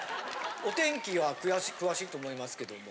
お天気は詳しいと思いますけども。